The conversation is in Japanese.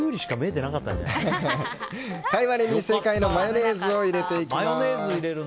カイワレに正解のマヨネーズを入れていきます。